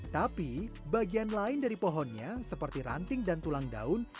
tapi bagian lain dari pohonnya seperti ranting dan tulang daun